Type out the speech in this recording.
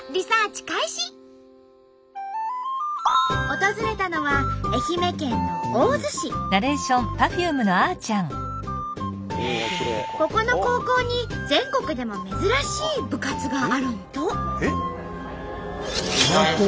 訪れたのはここの高校に全国でも珍しい部活があるんと。